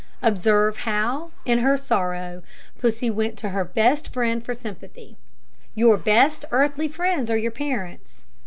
Observe how, in her sorrow, Pussy went to her best friend for sympathy. Your best earthly friends are your parents.